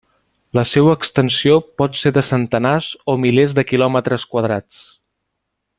La seua extensió pot ser de centenars o milers de quilòmetres quadrats.